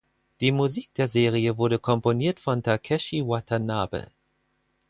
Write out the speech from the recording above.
Die Musik der Serie wurde komponiert von Takeshi Watanabe.